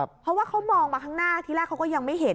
เพราะว่าเขามองมาข้างหน้าที่แรกเขาก็ยังไม่เห็น